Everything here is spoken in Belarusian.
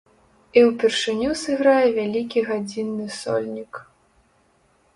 І ўпершыню сыграе вялікі гадзінны сольнік.